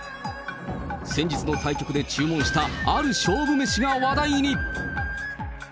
先日の対局で注文したある勝負メシが話題に。